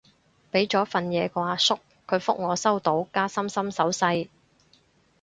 畀咗份嘢個阿叔，佢覆我收到加心心手勢